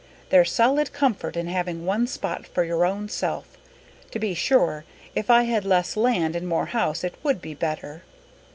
There's solid comfort in having one spot for your own self. To be sure, if I had less land and more house it would be better."